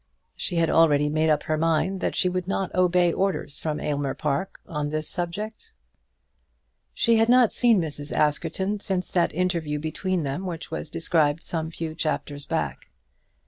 She had already made up her mind that she would not obey orders from Aylmer Park on this subject. She had not seen Mrs. Askerton since that interview between them which was described some few chapters back.